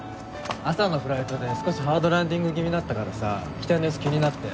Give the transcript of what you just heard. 朝のフライトで少しハードランディング気味だったからさ機体の様子気になって。